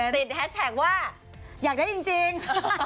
แฮชแท็กว่าอยากได้จริง